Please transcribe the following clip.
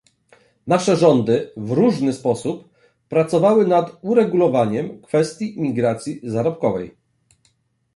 Nasze rządy w różny sposób pracowały nad uregulowaniem kwestii imigracji zarobkowej